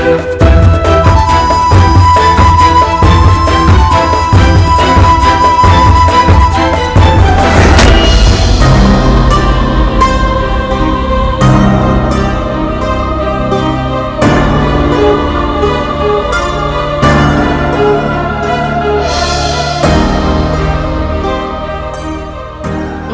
baik pak man